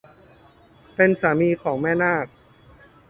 เป็นสามีของแม่นาก